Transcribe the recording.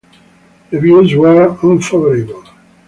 Reviews were unfavorable.